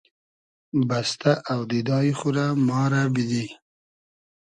بئستۂ اۆدیدای خو رۂ ما رۂ بیدی